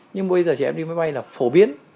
nhưng bây giờ trẻ em đi máy bay là phổ biến